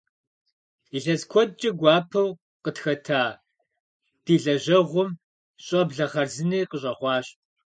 Илъэс куэдкӀэ гуапэу къытхэта ди лэжьэгъум щӀэблэ хъарзыни къыщӀэхъуащ.